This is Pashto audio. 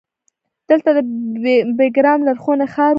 دلته د بیګرام لرغونی ښار و